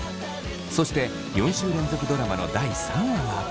そして４週連続ドラマの第３話は。